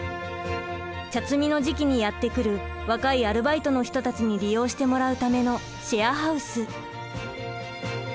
茶摘みの時期にやって来る若いアルバイトの人たちに利用してもらうためのシェアハウス。